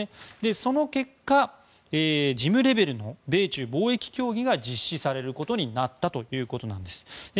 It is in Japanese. その結果事務レベルの米中貿易協議が実施されることになったということです。